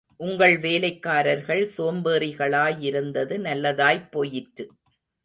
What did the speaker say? உங்கள் வேலைக்காரர்கள் சோம்பேறிகளாயிருந்தது நல்லதாய்ப் போயிற்று.